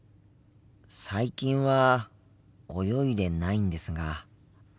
最近は泳いでないんですが。